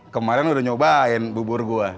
kemarin udah nyobain bubur gua